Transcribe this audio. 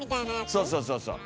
そうそうそうそう。